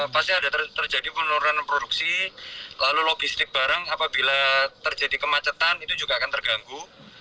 pasti ada terjadi penurunan produksi lalu logistik barang apabila terjadi kemacetan itu juga akan terganggu